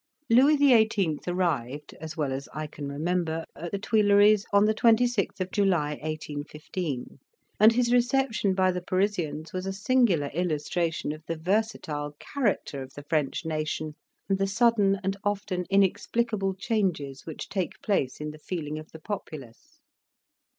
Louis XVIII. arrived, as well as I can remember, at the Tuileries on the 26th of July, 1815, and his reception by the Parisians was a singular illustration of the versatile character of the French nation, and the sudden and often inexplicable changes which take place in the feeling of the populace.